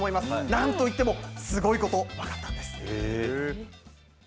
なんといってもすごいことが分かったんです。